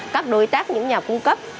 các đối tác những nhà cung cấp